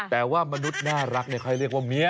แต่ว่ามนุษย์น่ารักค่อยเรียกว่าเมีย